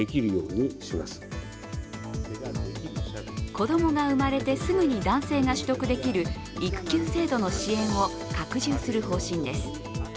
子供が生まれてすぐに男性が取得できる育休制度の支援を拡充する方針です。